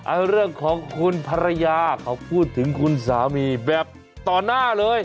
เรื่องของคุณภรรยาเขาพูดถึงคุณสามีแบบต่อหน้าเลย